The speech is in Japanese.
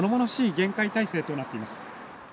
厳戒態勢となっています。